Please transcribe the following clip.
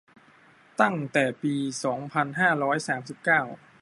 ตั้งแต่ปี สองพันห้าร้อยสามสิบเก้า